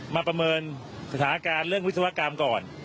ประเมินสถานการณ์เรื่องวิศวกรรมก่อน